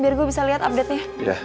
biar gua bisa liat update nya